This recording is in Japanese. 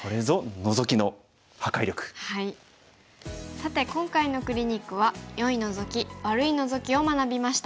さて今回のクリニックは良いノゾキ悪いノゾキを学びました。